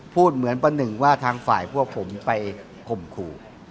พูดเหมือนประหนึ่งว่าทางฝ่ายพวกผมไปข่มขู่